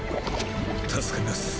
助かります。